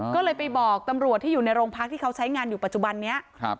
ก็เลยไปบอกตำรวจที่อยู่ในโรงพักที่เขาใช้งานอยู่ปัจจุบันนี้